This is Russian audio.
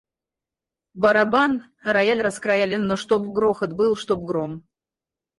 Барабан, рояль раскроя ли, но чтоб грохот был, чтоб гром.